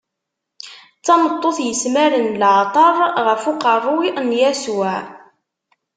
D tameṭṭut yesmaren leɛṭer ɣef uqerru n Yasuɛ.